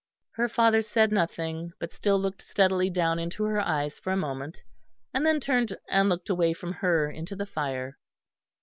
Her father said nothing, but still looked steadily down into her eyes for a moment, and then turned and looked away from her into the fire.